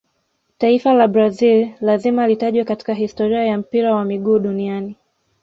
taifa la brazili lazima litajwe katika historia ya mpira wa miguu duniani